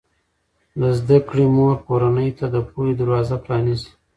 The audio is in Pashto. د زده کړې مور کورنۍ ته د پوهې دروازه پرانیزي.